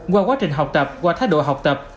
qua quá trình học tập qua thái độ học tập